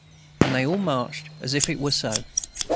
And they all marched as if it were so.